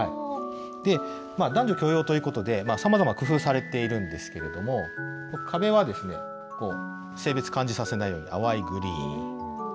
男女共用ということで、さまざま工夫されているんですけども、壁は性別感じさせないような淡いグリーン。